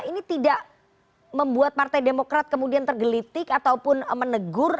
ini tidak membuat partai demokrat kemudian tergelitik ataupun menegur